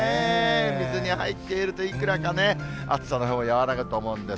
水に入っていると、いくらかね、暑さのほうも和らぐと思うんですが。